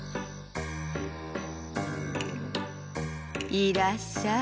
いらっしゃい。